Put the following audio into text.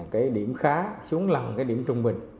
cái điểm khá xuống lầm cái điểm trung bình